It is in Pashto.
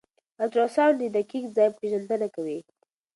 الټراساؤنډ د دقیق ځای پېژندنه کوي.